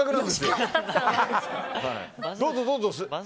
どうぞ、どうぞ。